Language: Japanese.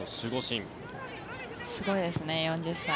すごいですね、４０歳。